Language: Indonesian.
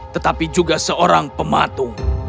tetapi juga seorang pematung